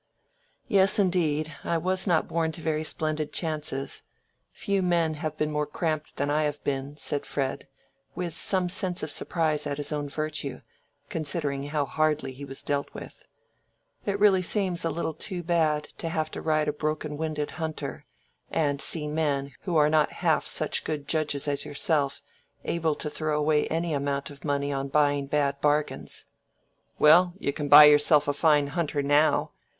"Yes, indeed: I was not born to very splendid chances. Few men have been more cramped than I have been," said Fred, with some sense of surprise at his own virtue, considering how hardly he was dealt with. "It really seems a little too bad to have to ride a broken winded hunter, and see men, who, are not half such good judges as yourself, able to throw away any amount of money on buying bad bargains." "Well, you can buy yourself a fine hunter now.